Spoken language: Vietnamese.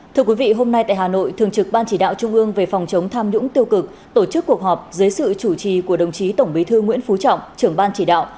thưa quý vị hôm nay tại hà nội thường trực ban chỉ đạo trung ương về phòng chống tham nhũng tiêu cực tổ chức cuộc họp dưới sự chủ trì của đồng chí tổng bí thư nguyễn phú trọng trưởng ban chỉ đạo